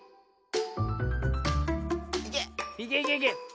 いけいけいけ。